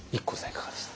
いかがでした？